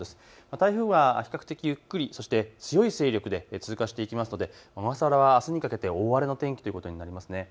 台風、比較的ゆっくり強い勢力で通過していきますので小笠原は、あすにかけて大荒れの天気ということになります。